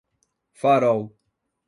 Farol